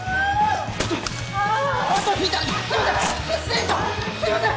痛っすいません！